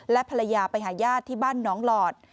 และภรรยาไปหาญาติที่บ้านน้องหลอด